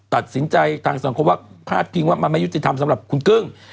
ตัดสินใจทางสังคมว่าพาดพิงว่ามันไม่ยุติธรรมสำหรับคุณกึ้ง